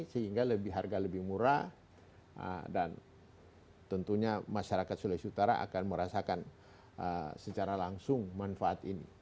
sehingga harga lebih murah dan tentunya masyarakat sulawesi utara akan merasakan secara langsung manfaat ini